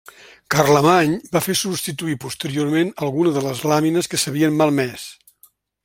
Carlemany va fer substituir posteriorment alguna de les làmines que s'havien malmès.